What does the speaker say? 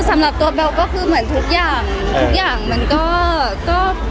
สำหรับตัวเบลก็คือเหมือนทุกอย่างทุกอย่างมันก็ก็